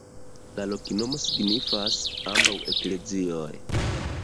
La loknomo signifas: ambaŭ eklezioj.